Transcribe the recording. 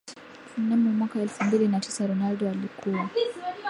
Mnamo mwaka elfu mbili na tisa Ronaldo alikuwa